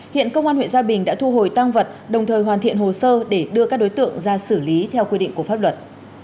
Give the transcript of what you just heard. hiện công an huyện gia bình đã thu hồi tăng vật đồng thời hoàn thiện hồ sơ để đưa các đối tượng ra xử lý theo quy định của pháp luật